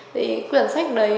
thì cuốn sách này